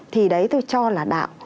thì đấy tôi cho là đạo